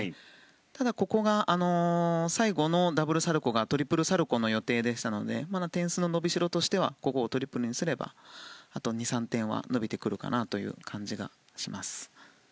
ただ最後のダブルサルコウがトリプルサルコウの予定でしたので点数の伸びしろとすればここをトリプルにすればあと２３点は伸びてくるかなという感じがします。